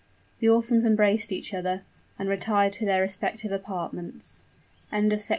The orphans embraced each other, and retired to their respective apartments. CHAPTER II.